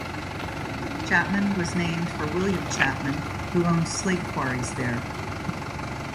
Chapman was named for William Chapman, who owned slate quarries there.